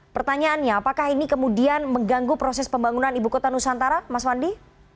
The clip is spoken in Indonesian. pertanyaannya apakah ini kemudian mengganggu proses pembangunan ibu kota nusantara mas wandi